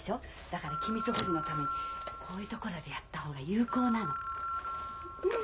だから機密保持のためにこういう所でやった方が有効なの。